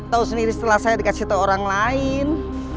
tau sendiri setelah saya dikasih tau orang lain